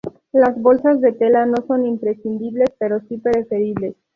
Las bolsas de tela no son imprescindibles pero sí preferibles.